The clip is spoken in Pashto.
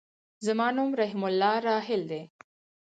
زما نوم رحيم الله راحل دی.